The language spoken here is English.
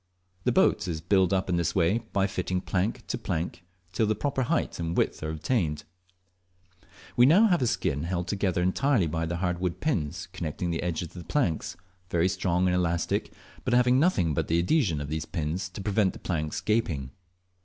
The boat is built up in this way by fitting plank to plank till the proper height and width are obtained. We have now a skin held together entirely by the hardwood pins connecting the edges of the planks, very strong and elastic, but having nothing but the adhesion of these pins to prevent the planks gaping.